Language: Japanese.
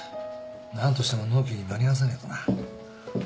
何としても納期に間に合わせねえとな。